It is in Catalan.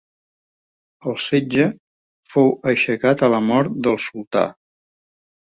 El setge fou aixecat a la mort del sultà.